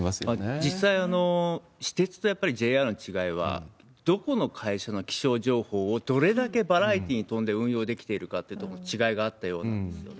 実際、私鉄とＪＲの違いは、どこの会社の気象情報をどれだけバラエティに富んで運用できているかって違いがあったようなんですよね。